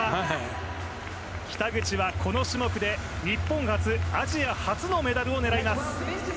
北口はこの種目で日本初、アジア初のメダルを狙います。